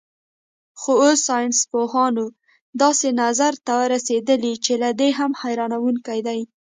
خو اوس ساینسپوهان داسې نظر ته رسېدلي چې له دې هم حیرانوونکی دی.